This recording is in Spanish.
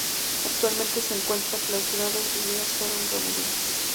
Actualmente se encuentra clausurado y sus vías fueron removidas.